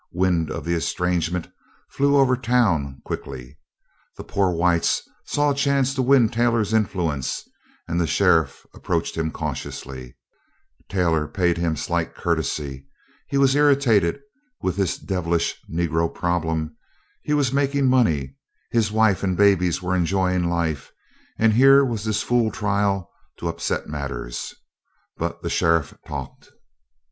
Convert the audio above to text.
Wind of the estrangement flew over town quickly. The poor whites saw a chance to win Taylor's influence and the sheriff approached him cautiously. Taylor paid him slight courtesy. He was irritated with this devilish Negro problem; he was making money; his wife and babies were enjoying life, and here was this fool trial to upset matters. But the sheriff talked.